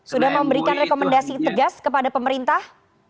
sudah memberikan rekomendasi tegas kepada pemerintah